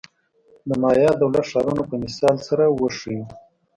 د مایا دولت-ښارونو په مثال سره وښیو.